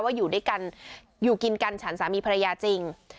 อยู่ด้วยกันอยู่กินกันฉันสามีภรรยาจริง